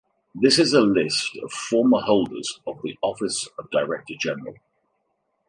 This is a list of former holders of the office of director-general.